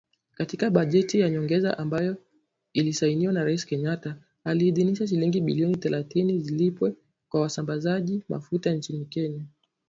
Katika bajeti ya nyongeza ambayo ilisainiwa na Rais Kenyatta, aliidhinisha shilingi bilioni thelathini zilipwe kwa wasambazaji mafuta nchini Kenya.